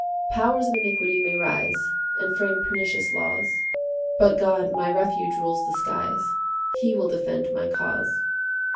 5 Powers of iniquity may rise, And frame pernicious laws; But God, my refuge, rules the skies, He will defend my cause.